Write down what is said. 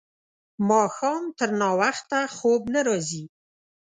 ماښام تر ناوخته خوب نه راځي.